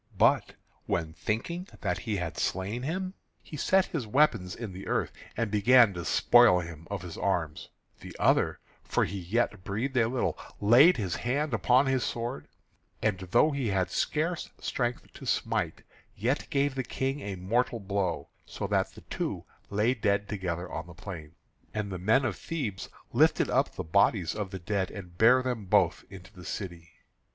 But when thinking that he had slain him he set his weapons in the earth, and began to spoil him of his arms, the other, for he yet breathed a little, laid his hand upon his sword, and though he had scarce strength to smite, yet gave the King a mortal blow, so that the two lay dead together on the plain. And the men of Thebes lifted up the bodies of the dead, and bare them both into the city.